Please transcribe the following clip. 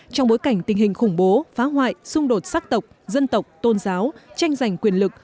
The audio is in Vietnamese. trong bối cảnh tình hình khủng bố phá hoại xung đột sắc tộc dân tộc tôn giáo tranh giành quyền lực